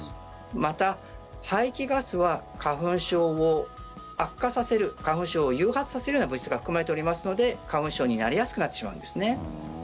また、排気ガスは花粉症を悪化させる花粉症を誘発させるような物質が含まれておりますので花粉症になりやすくなってしまうんです。